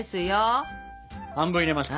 半分入れました。